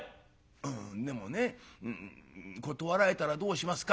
「うんでもね『断られたらどうしますか』って聞いたらね